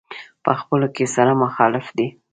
په خپلو کې سره مخالف دي.